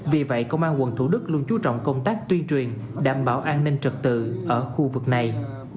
vì vậy công an quận thủ đức luôn chú trọng công tác tuyên truyền đảm bảo an ninh trật tự ở khu vực này